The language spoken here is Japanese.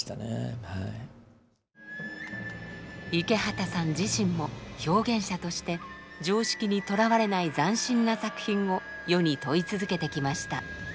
池畑さん自身も表現者として常識にとらわれない斬新な作品を世に問い続けてきました。